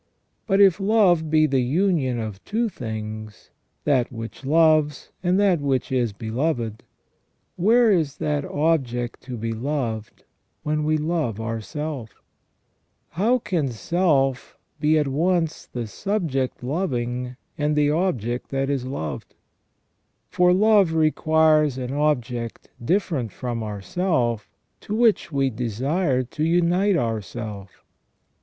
But if love be the union of two things, that which loves and that which is beloved, where is that object to be loved when we love ourself ? How can self be at once the subject loving and the object that is loved? For love requires an object different from ourself to which we desire to unite ourself.